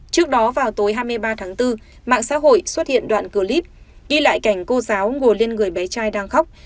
trước đó vào tối hai mươi ba tháng bốn mạng xã hội xuất hiện đoạn clip ghi lại cảnh cô giáo ngồi lên người bé trai đang khóc